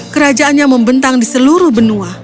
kerajaannya membentang di seluruh benua